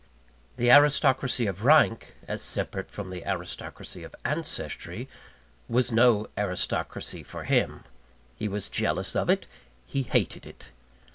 The aristocracy of rank, as separate from the aristocracy of ancestry, was no aristocracy for him. He was jealous of it; he hated it.